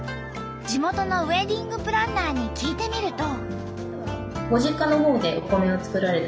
地元のウエディングプランナーに聞いてみると。